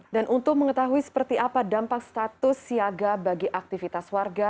dan untuk mengetahui seperti apa dampak status siaga bagi aktivitas warga